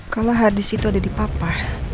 kalau hadis itu ada di papa